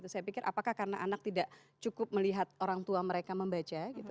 saya pikir apakah karena anak tidak cukup melihat orang tua mereka membaca gitu